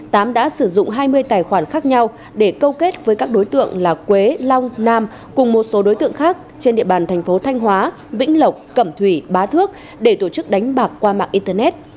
tám đã sử dụng hai mươi tài khoản khác nhau để câu kết với các đối tượng là quế long nam cùng một số đối tượng khác trên địa bàn thành phố thanh hóa vĩnh lộc cẩm thủy bá thước để tổ chức đánh bạc qua mạng internet